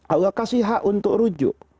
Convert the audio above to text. allah kasih hak untuk rujuk